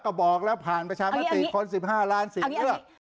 ก็บอกแล้วผ่านประชามติคน๑๕ล้านเสียงเลือก